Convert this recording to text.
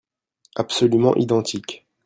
Absolument identique.